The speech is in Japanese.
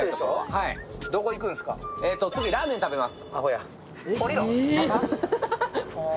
次、ラーメン食べます。